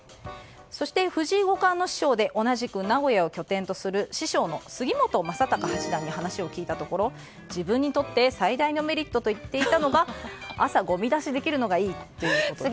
そして、藤井五冠の師匠で同じく名古屋を拠点とする師匠の杉本昌隆八段に話を聞いたところ自分にとって最大のメリットと言っていたのが朝、ごみ出しできるのがいいということです。